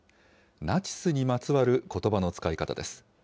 ナチスにまつわることばの使い方です。